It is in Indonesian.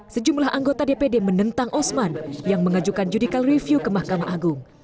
sejumlah anggota dpd menentang osman yang mengajukan judicial review ke mahkamah agung